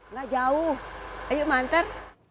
nggak jauh ayo manter